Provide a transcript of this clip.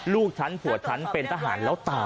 ลูกฉันผัวฉันเป็นทหารแล้วตาย